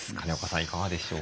いかがでしょうか？